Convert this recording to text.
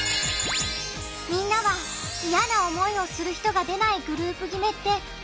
みんなは嫌な思いをする人が出ないグループ決めってあると思う？